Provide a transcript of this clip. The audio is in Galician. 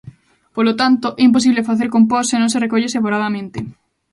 Polo tanto, é imposible facer compost se non se recolle separadamente.